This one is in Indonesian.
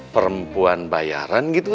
perempuan bayaran gitu